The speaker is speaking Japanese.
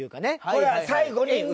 これは最後に歌う。